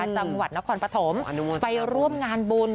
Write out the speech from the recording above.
จังหวัดนครปฐมไปร่วมงานบุญ